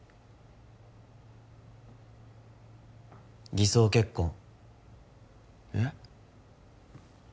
偽装結婚えっ？